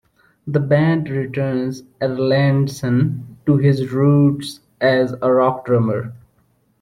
The band returns Erlandsson to his roots as a rock drummer.